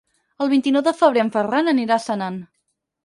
El vint-i-nou de febrer en Ferran anirà a Senan.